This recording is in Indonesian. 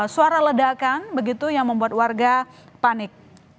suara ledakan begitu yang membuat warga panik